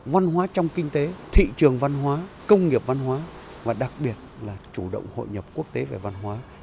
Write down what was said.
văn hóa trong kinh tế thị trường văn hóa công nghiệp văn hóa và đặc biệt là chủ động hội nhập quốc tế về văn hóa